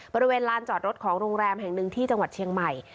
บริเวณลานจอดรถของโรงแรมแห่งหนึ่งที่จังหวัดเชียงใหม่